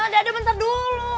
dada bentar dulu